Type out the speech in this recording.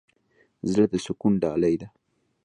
زړه د سکون ډالۍ ده.